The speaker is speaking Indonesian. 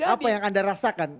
apa yang anda rasakan